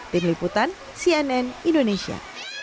tim liputan cnn indonesia